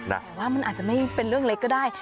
แต่ว่ามันอาจจะไม่เป็นเรื่องเล็กก็ได้